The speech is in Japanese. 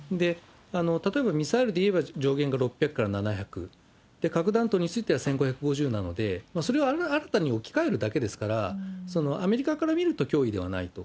例えば、ミサイルでいえば上限が６００から７００、核弾頭については１５５０なので、それを新たに置き換えるだけですから、アメリカから見ると脅威ではないと。